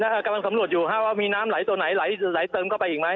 กำลังสำรวจอยู่ว่ามีน้ำไหลตัวไหนไหลเติมเข้าไปอีกไหม